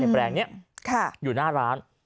แปลงนี้อยู่หน้าร้าน